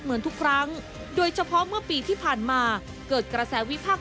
เหมือนทุกครั้งโดยเฉพาะเมื่อปีที่ผ่านมาเกิดกระแสวิพากษ์